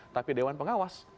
tapi dewan pengawas